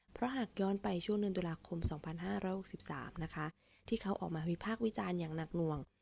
เพราะหากย้อนไปช่วงเดือนตุลาคม๒๕๖๓นะคะที่เขาออกมาวิพากษ์วิจารณ์อย่างหนักหน่วง